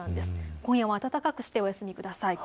今夜は暖かくしてお休みください。